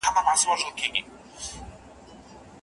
که په مینه کار وکړې نو هدف ته رسېږې.